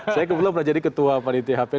saya belum pernah jadi ketua politik hpn dua ribu enam